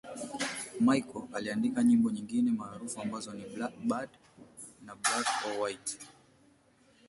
Michael aliandika nyimbo nyingine maarufu ambazo ni 'Bad' na 'Black or White'.